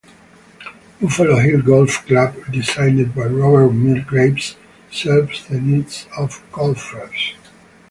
Buffalo Hill Golf Club, designed by Robert Muir Graves, serves the needs of golfers.